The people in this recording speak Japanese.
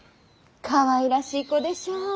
かわいらしい子でしょう。